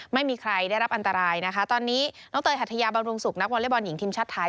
ไม่มีใครได้รับอันตรายนะคะตอนนี้น้องเตยหัทยาบำรุงสุขนักวอเล็กบอลหญิงทีมชาติไทย